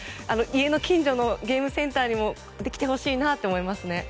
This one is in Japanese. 家の近所のゲームセンターにもできてほしいなって思いますね。